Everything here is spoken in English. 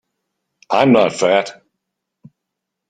I'm not fat.